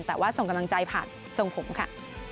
แต่ว่าส่งกำลังใจผ่านทรงผมค่ะ